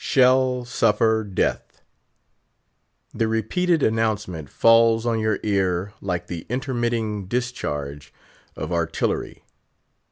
"Shall suffer death!" The repeated announcement falls on your ear like the intermitting discharge of artillery.